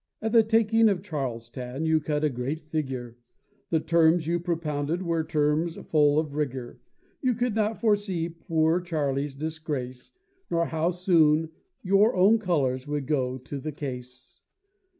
At the taking of Charlestown you cut a great figure, The terms you propounded were terms full of rigor, Yet could not foresee poor Charley's disgrace, Nor how soon your own colors would go to the case.